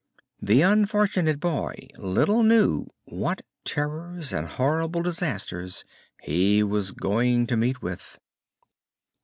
The unfortunate boy little knew what terrors and horrible disasters he was going to meet with!